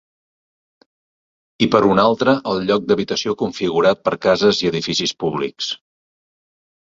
I per un altre el lloc d'habitació configurat per cases i edificis públics.